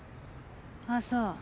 あっそう。